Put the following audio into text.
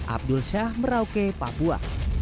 abdul syah merauke papua